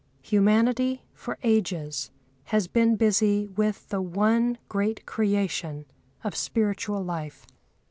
Humanity, for ages, has been busy with the one great creation of spiritual life.